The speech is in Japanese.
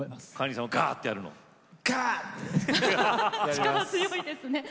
力強いですね。